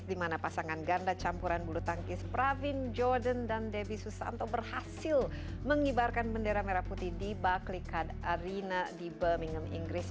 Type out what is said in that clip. dimana pasangan ganda campuran bulu tangkis pravin jordan dan debbie susanto berhasil mengibarkan bendera merah putih di buckley card arena di birmingham inggris